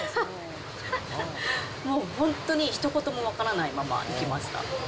もう本当に、ひと言も分からないまま行きました。